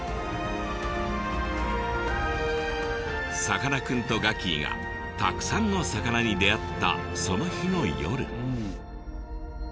さかなクンとガキィがたくさんの魚に出会ったその日の夜。